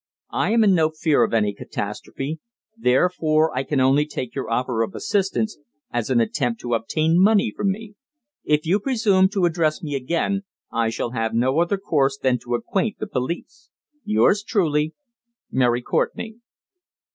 I am in no fear of any catastrophe; therefore I can only take your offer of assistance as an attempt to obtain money from me. If you presume to address me again I shall have no other course than to acquaint the police._ "Yours truly "MARY COURTENAY."